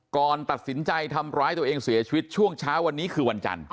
ก่อนตัดสินใจทำร้ายตัวเองเสียชีวิตช่วงเช้าวันนี้คือวันจันทร์